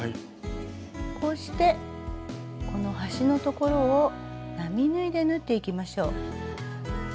こうしてこの端の所を並縫いで縫っていきましょう。